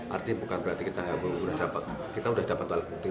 artinya bukan berarti kita sudah dapat alat bukti